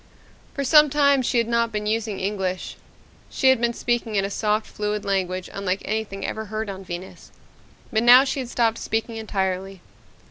For some time she had not been using English. She had been speaking in a soft, fluid language unlike anything ever heard on Venus. But now she had stopped speaking entirely.